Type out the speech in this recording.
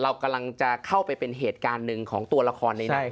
เรากำลังจะเข้าไปเป็นเหตุการณ์หนึ่งของตัวละครในนั้น